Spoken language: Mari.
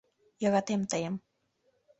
— Йӧратем тыйым...